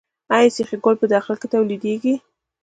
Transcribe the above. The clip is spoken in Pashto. آیا سیخ ګول په داخل کې تولیدیږي؟